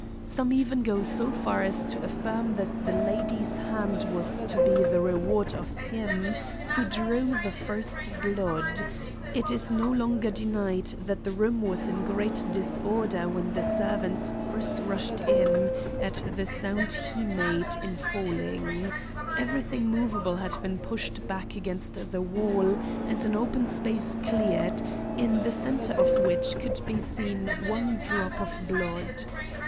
Some even go so far as to affirm that the lady's hand was to be the reward of him who drew the first blood; it _is no longer denied that the room was in great disorder when the servants first rushed in at the sound he made in falling_. Everything movable had been pushed back against the wall and an open space cleared, in the center of which could be seen one drop of blood.